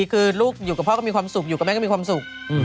คือลูกอยู่กับพ่อก็มีความสุขอยู่กับแม่ก็มีความสุข